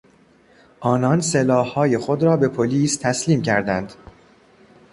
آنان سلاحهای خود را به پلیس تسلیم کردند.